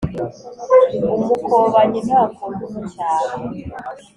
Umukobanyi ntakunda umucyaha